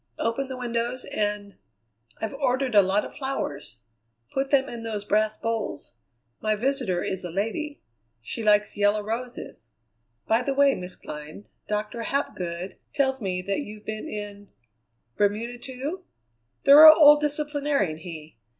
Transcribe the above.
open the windows, and I've ordered a lot of flowers. Put them in those brass bowls. My visitor is a lady. She likes yellow roses. By the way, Miss Glynn, Doctor Hapgood tells me that you've been in Bermuda, too? Thorough old disciplinarian he!